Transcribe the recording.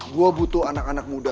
gue butuh anak anak muda